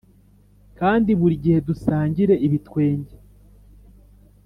kandi buri gihe dusangire ibitwenge,